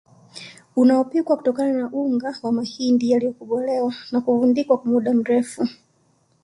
unaopikwa kutokana na unga wa mahindi yaliyokobolewa na kuvundikwa kwa muda mrefu